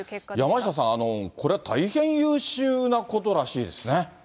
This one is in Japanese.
山下さん、これ、大変優秀なことらしいですね。